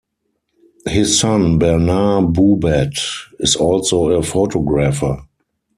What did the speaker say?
His son Bernard Boubat is also a photographer.